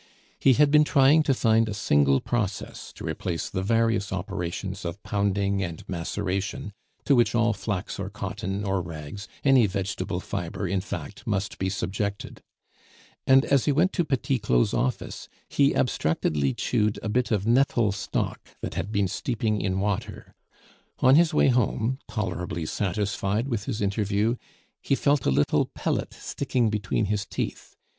He had been trying to find a single process to replace the various operations of pounding and maceration to which all flax or cotton or rags, any vegetable fibre, in fact, must be subjected; and as he went to Petit Claud's office, he abstractedly chewed a bit of nettle stalk that had been steeping in water. On his way home, tolerably satisfied with his interview, he felt a little pellet sticking between his teeth.